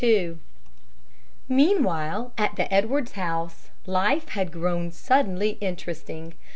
] II Meanwhile, at the Edwards house, life had grown suddenly interesting.